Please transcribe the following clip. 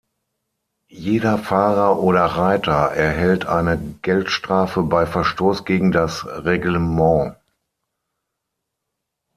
Jeder Fahrer oder Reiter erhält eine Geldstrafe bei Verstoß gegen das Reglement.